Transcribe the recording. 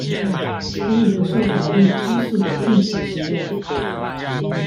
可以不受法律拘束地盡情實驗